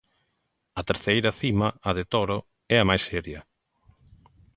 A terceira cima, a de Toro, é a mais seria.